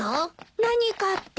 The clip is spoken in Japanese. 何かって？